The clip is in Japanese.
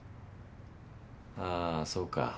あぁそうか。